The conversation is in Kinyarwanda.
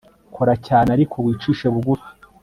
kora cyane ariko wicishe bugufi